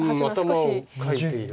頭をかいている。